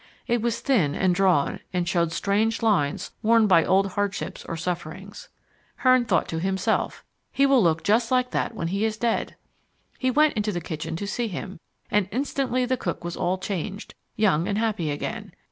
It was thin and drawn and showed strange lines worn by old hardships or sufferings. Hearn thought to himself, "He will look just like that when he is dead." He went into the kitchen to see him, and instantly the cook was all changed, young and happy again.